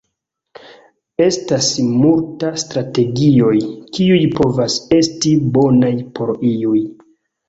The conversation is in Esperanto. Estas multa strategioj, kiuj povas esti bonaj por iuj.